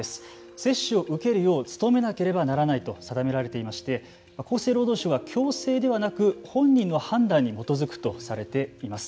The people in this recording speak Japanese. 接種を受けるよう努めなければならないと定められていまして厚生労働省は、強制ではなく本人の判断に基づくとされています。